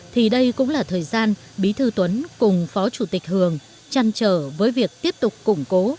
thì đây cũng là thời gian bí thư tuấn cùng phó chủ tịch hường chăn trở với việc tiếp tục củng cố